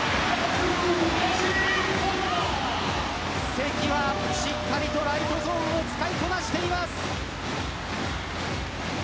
関はしっかりとライトゾーンを使いこなしています。